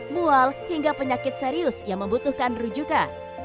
mual hingga penyakit serius yang membutuhkan rujukan